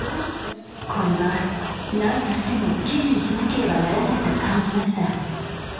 これは何としても記事にしなければならないと感じました。